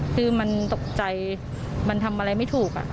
คือมันตกใจมันทำอะไรไม่ถูก